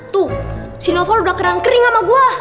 tuh sinoval udah kering kering sama buah